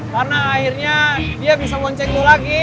karena akhirnya dia bisa lonceng lo lagi